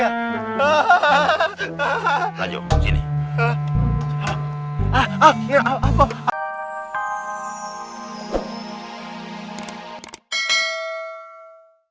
ah akhirnya apa